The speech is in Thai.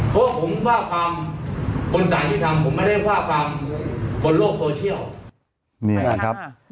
เพราะผมว่าความบนสารยุติธรรมผมไม่ได้ว่าความบนโลกโซเชียล